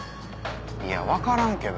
いや分からんけど。